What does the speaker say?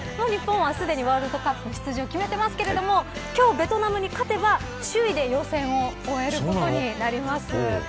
日本はすでにワールドカップ出場を決めてますけど今日ベトナムに勝てば首位で予選を終えることになります。